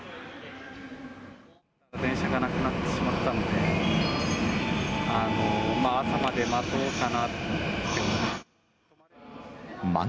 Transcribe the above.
電車がなくなってしまったので、朝まで待とうかなと思ってます。